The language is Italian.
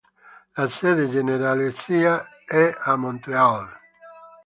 La sede generalizia è a Montréal.